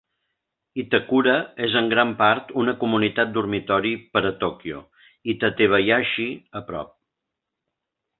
Itakura és en gran part una comunitat dormitori per a Tòquio i Tatebayashi, a prop.